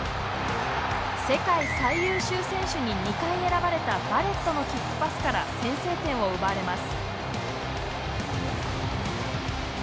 世界最優秀選手に２回選ばれたバレットのキックパスから先制点を奪われます